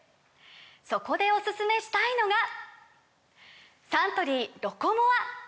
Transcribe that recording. そこでおすすめしたいのがサントリー「ロコモア」！